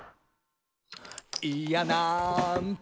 「いやなんと」